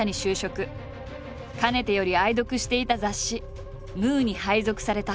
かねてより愛読していた雑誌「ムー」に配属された。